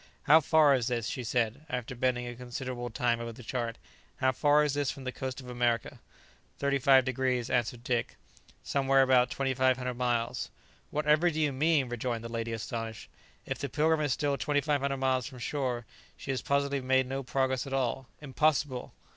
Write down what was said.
"How far is this," she said, after bending a considerable time over the chart; "how far is this from the coast of America?" "Thirty five degrees," answered Dick; "somewhere about 2500 miles." "What ever do you mean?" rejoined the lady astonished; "if the 'Pilgrim' is still 2500 miles from shore, she has positively made no progress at all. Impossible!"